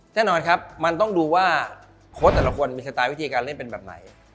แน่นอนครับมันต้องดูว่าโค้ชแต่ละคนมีสไตล์วิธีการเล่นเป็นแบบไหน